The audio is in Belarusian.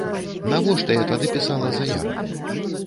Навошта я тады пісала заяву?